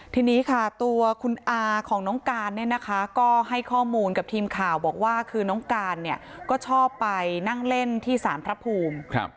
ทีนี้ค่ะตัวคุณอาของน้องการเนี่ยนะคะก็ให้ข้อมูลกับทีมข่าวบอกว่าคือน้องการเนี่ยก็ชอบไปนั่งเล่นที่สารพระภูมิ